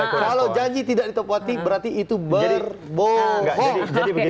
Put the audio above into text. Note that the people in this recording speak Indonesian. kalau janji tidak ditepati berarti itu berbohong